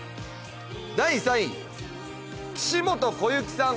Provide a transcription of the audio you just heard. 第３位岸本小雪さん